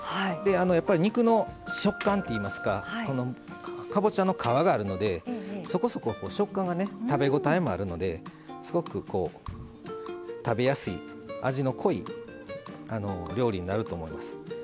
肉の食感っていいますかかぼちゃの皮があるのでそこそこ食感食べ応えがあるのですごく食べやすい味の濃い料理になると思います。